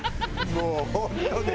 もう本当ね